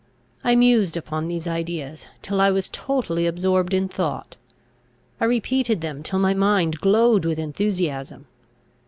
I mused upon these ideas, till I was totally absorbed in thought. I repeated them, till my mind glowed with enthusiasm.